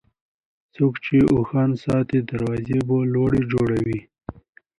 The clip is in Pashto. څوک چې اوښان ساتي، دروازې به لوړې جوړوي.